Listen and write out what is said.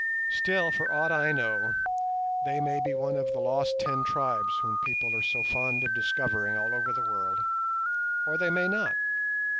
Still, for aught I know, they may be one of the lost ten tribes whom people are so fond of discovering all over the world, or they may not.